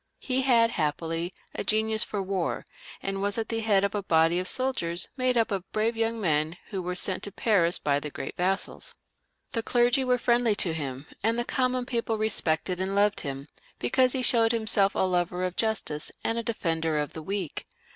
He had happily a genius for war, and was at the head of a body of soldiers made up of brave young men who were sent to Paris by the great vassals. The clergy were friendly to him, and the common people respected and loved him, because he showed himseK a lover of justice and a defender of the weak.